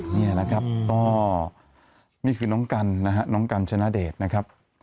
นี่แหละครับก็นี่คือน้องกันนะฮะน้องกัญชนะเดชนะครับ